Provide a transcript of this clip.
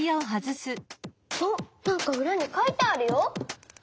あっなんかうらに書いてあるよ。